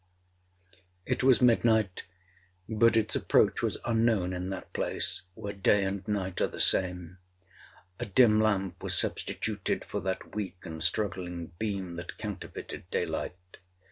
'It was midnight, but its approach was unknown in that place, where day and night are the same. A dim lamp was substituted for that weak and struggling beam that counterfeited day light.